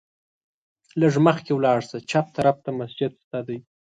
لږ مخکې ولاړ شه، چپ طرف ته مسجد شته دی.